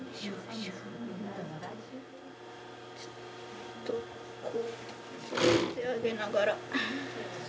ちょっとこうしてあげながら。